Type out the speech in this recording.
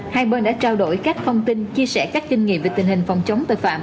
hai bên đã trao đổi các thông tin chia sẻ các kinh nghiệm về tình hình phòng chống tội phạm